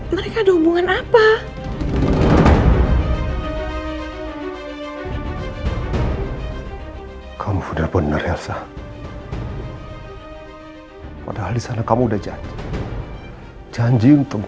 mereka ada hubungan apa kamu udah bener bener elsa padahal di sana kamu udah janji janji untuk